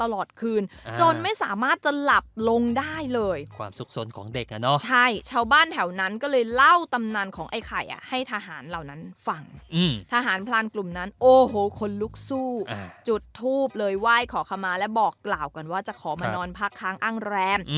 เลยไหว้ขอคำมาและบอกกล่าวกันว่าจะขอมานอนพักค้างอ้างแรน